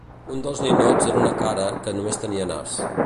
Un dels ninots era una cara que només tenia nas.